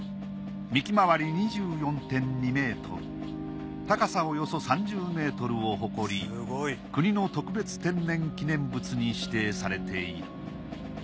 幹周り２４．２ｍ高さおよそ３０ｍを誇り国の特別天然記念物に指定されている。